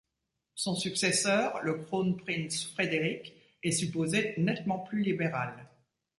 Son successeur, le Kronprinz Frédéric est supposé nettement plus libéral.